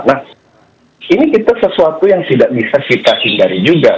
nah ini kita sesuatu yang tidak bisa kita hindari juga